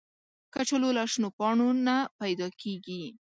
کچالو له شنو پاڼو نه پیدا کېږي